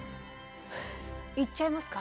行っちゃいますか？